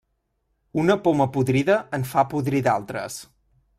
Una poma podrida en fa podrir d'altres.